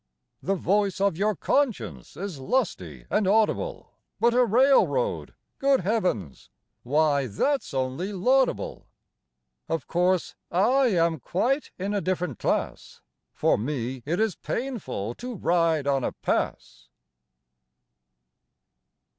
The voice of your conscience is lusty and audible, But a railroad good heavens! why, that's only laudable. Of course, I am quite in a different class; For me, it is painful to ride on a pass!